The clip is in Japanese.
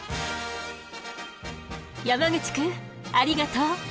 山口くんありがとう。